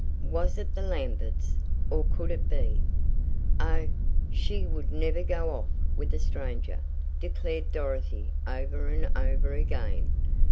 "Was it the Lamberts? Or could it be " "Oh, she would never go off with a stranger," declared Dorothy over and over again.